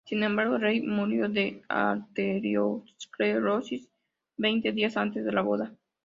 Sin embargo, el rey murió de arterioesclerosis veinte días antes de la boda.